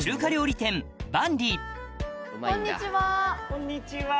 こんにちは。